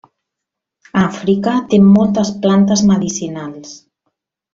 Àfrica té moltes plantes medicinals.